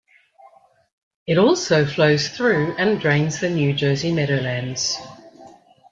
It also flows through and drains the New Jersey Meadowlands.